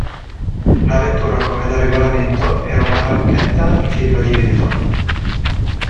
La vettura, come da regolamento, era una barchetta in fibra di vetro.